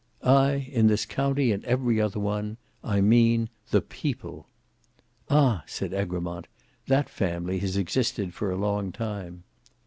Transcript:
"Ay; in this county and every other one; I mean the PEOPLE." "Ah!" said Egremont, "that family has existed for a long time."